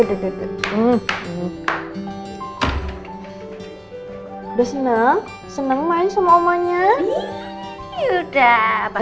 udah seneng seneng main sama omonya udah